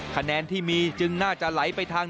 คะแนนที่มีจึงน่าจะไหลไปทาง